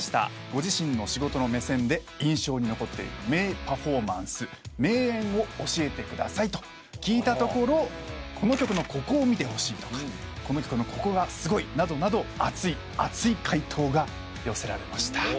ご自身の仕事の目線で印象に残っている名パフォーマンス名演を教えてくださいと聞いたところ「この曲のここを見てほしい」とか「この曲のここがすごい」などなど熱い熱い回答が寄せられました。